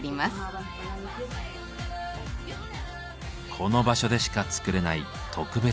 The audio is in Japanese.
この場所でしか作れない特別なラグ。